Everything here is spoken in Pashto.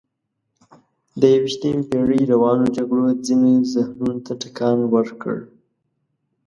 د یویشتمې پېړۍ روانو جګړو ځینو ذهنونو ته ټکان ورکړ.